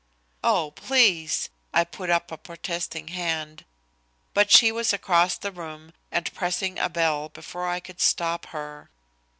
"Oh, please!" I put up a protesting hand, but she was across the room and pressing a bell before I could stop her.